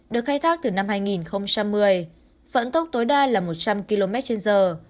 được khai thác từ năm hai nghìn một mươi vận tốc tối đa là một trăm linh km trên giờ